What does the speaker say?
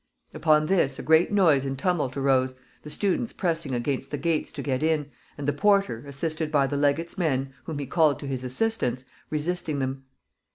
Upon this a great noise and tumult arose, the students pressing against the gates to get in, and the porter, assisted by the legate's men, whom he called to his assistance, resisting them.